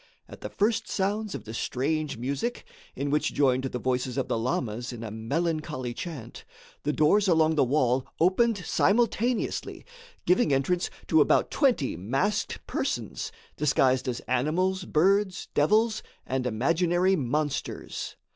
At the first sounds of the strange music, in which joined the voices of the lamas in a melancholy chant, the doors along the wall opened simultaneously, giving entrance to about twenty masked persons, disguised as animals, birds, devils and imaginary monsters.